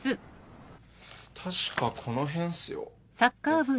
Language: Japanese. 確かこの辺っすよ。